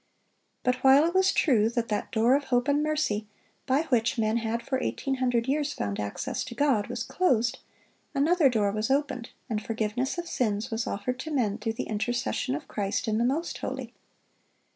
But while it was true that that door of hope and mercy by which men had for eighteen hundred years found access to God, was closed, another door was opened, and forgiveness of sins was offered to men through the intercession of Christ in the most holy.